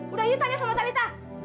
udah yuk tanya sama talitha